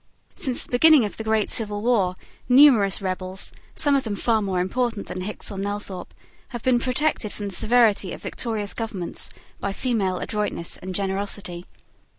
Since the beginning of the great civil war, numerous rebels, some of them far more important than Hickes or Nelthorpe, have been protected from the severity of victorious governments by female adroitness and generosity.